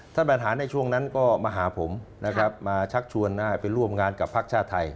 ท่านบรรหารในช่วงนั้นก็มาหาผมมาชักชวนไปร่วมงานกับภักดิ์ชาติไทย